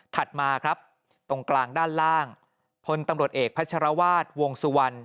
มาครับตรงกลางด้านล่างพลตำรวจเอกพัชรวาสวงสุวรรณ